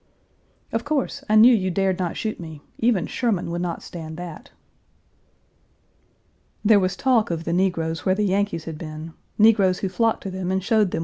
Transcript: "Of course, I knew you dared not shoot me. Even Sherman would not stand that." There was talk of the negroes where the Yankees had been negroes who flocked to them and showed them where Page 402a SARSFIELD, NEAR CAMDEN, S.